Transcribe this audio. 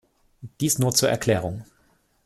Dies nur zur Erklärung.